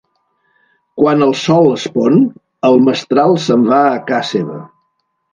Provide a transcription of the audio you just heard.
Quan el sol es pon, el mestral se'n va a ca seva.